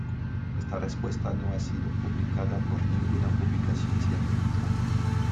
Esta respuesta no ha sido publicada por ninguna publicación científica.